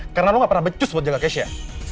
karena lo gak pernah becus buat jaga keisha